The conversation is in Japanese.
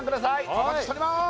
お待ちしております